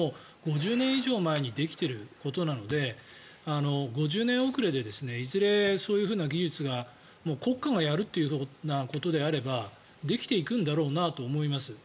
５０年以上前にできていることなので５０年遅れでいずれ、そういう技術が国家がやるということであればできていくんだろうなと思います。